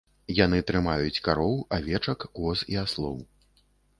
Яны трымаюць кароў, авечак, коз і аслоў.